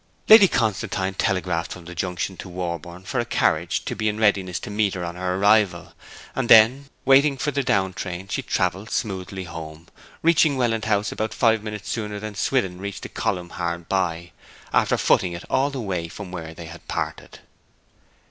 Lady Constantine telegraphed from the junction to Warborne for a carriage to be in readiness to meet her on her arrival; and then, waiting for the down train, she travelled smoothly home, reaching Welland House about five minutes sooner than Swithin reached the column hard by, after footing it all the way from where they had parted.